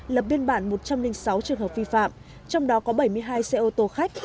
lập biên bản một trăm linh sáu trường hợp vi phạm trong đó có bảy mươi hai xe ô tô khách